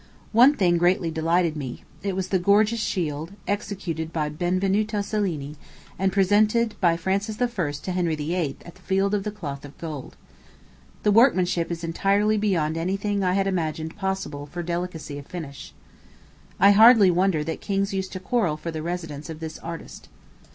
One thing greatly delighted me it was the gorgeous shield, executed by Benvenuto Cellini, and presented by Francis I. to Henry VIII. at the Field of the Cloth of Gold. The workmanship is entirely beyond anything I had imagined possible for delicacy of finish. I hardly wonder that kings used to quarrel for the residence of this artist.